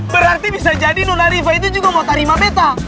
berarti bisa jadi nona riva itu juga mau tarima betta